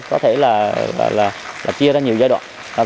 có thể là chia ra nhiều giai đoạn